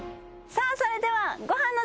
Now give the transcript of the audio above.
さあそれでは。